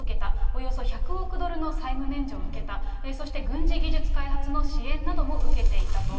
およそ１００億ドルの債務免除を受けた、そして軍事技術開発の支援なども受けていたと。